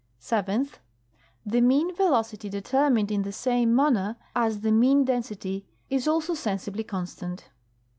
Seventh. The mean velocity determined in the same manner as the mean density is also sensibly constant.